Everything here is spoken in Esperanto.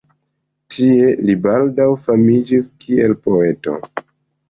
Tie li baldaŭ famiĝis kiel poeto.